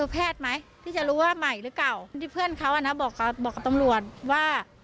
เพื่อนเขาบอกกับตำรวจว่า